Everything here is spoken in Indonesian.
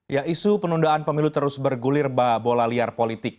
ya isu penundaan pemilu terus bergulir bola liar politik